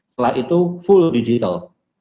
setelah itu full digital